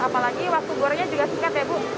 apalagi waktu gorengnya juga singkat ya bu